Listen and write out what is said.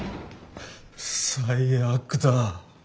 最悪だ。